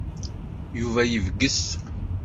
Yuba yebges.